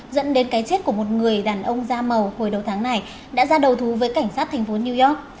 dẫn đến cái chết của một người đàn ông da màu hồi đầu tháng này đã ra đầu thú với cảnh sát thành phố new york